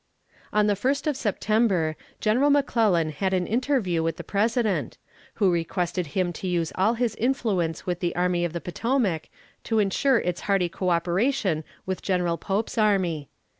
On the first of September, General McClellan had an interview with the President, who requested him to use all his influence with the Army of the Potomac to insure its hearty co operation with General Pope's army.